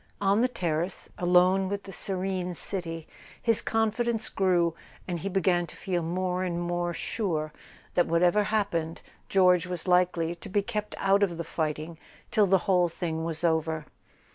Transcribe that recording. On the terrace, alone with the serene city, his confidence grew, and he began to feel more and more sure that, whatever happened, George was likely to be kept out of the fighting till the whole thing was over.